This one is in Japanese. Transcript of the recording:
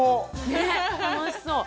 ねっ楽しそう。